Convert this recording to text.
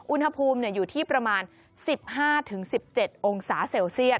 อุณหภูมิอยู่ที่ประมาณ๑๕๑๗องศาเซลเซียต